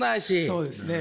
そうですね。